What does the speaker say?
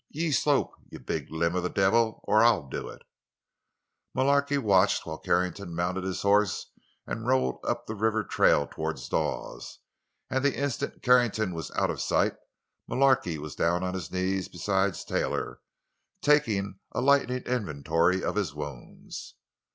Ye slope, ye big limb of the divvle, or I'll do it!" Mullarky watched while Carrington mounted his horse and rode up the river trail toward Dawes, and the instant Carrington was out of sight, Mullarky was down on his knees beside Taylor, taking a lightning inventory of his wounds.